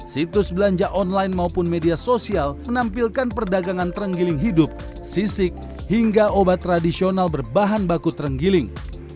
situs belanja online maupun media sosial menampilkan perdagangan terenggiling hidup sisik hingga obat tradisional berbahan baku terenggiling